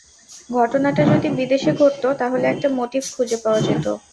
ঘটনাটা যদি বিদেশে ঘটত, তাহলে একটা মোটিভ খুঁজে পাওয়া যেত।